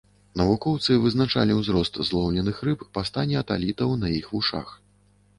Навукоўцы вызначалі ўзрост злоўленых рыб па стане аталітаў на іх вушах.